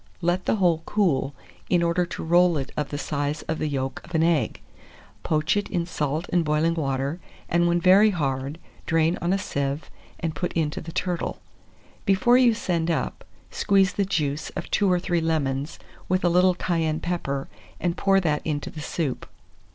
Let the whole cool, in order to roll it of the size of the yolk of an egg; poach it in salt and boiling water, and when very hard, drain on a sieve, and put it into the turtle. Before you send up, squeeze the juice of 2 or 3 lemons, with a little cayenne pepper, and pour that into the soup.